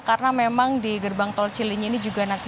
karena memang di gerbang tol cilinyi ini